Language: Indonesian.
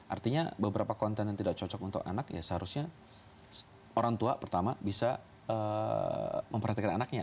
artinya beberapa konten yang tidak cocok untuk anak ya seharusnya orang tua pertama bisa memperhatikan anaknya